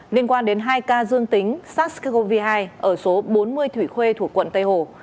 liên quan đến hai ca dương tính sars cov hai ở số bốn mươi thủy khuê thuộc quận tây hồ